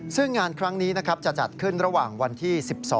ซึ่งงานครั้งนี้นะครับจะจัดขึ้นระหว่างวันที่๑๒